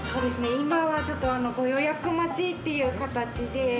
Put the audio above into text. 今はちょっと、ご予約待ちという形で。